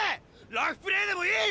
ラフプレーでもいい！